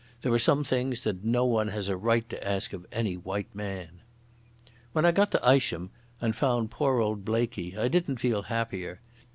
There are some things that no one has a right to ask of any white man. When I got to Isham and found poor old Blaikie I didn't feel happier.